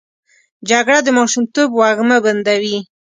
جګړه د ماشومتوب وږمه بندوي